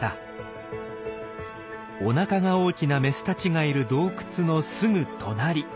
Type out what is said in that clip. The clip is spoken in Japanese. おなかが大きなメスたちがいる洞窟のすぐ隣。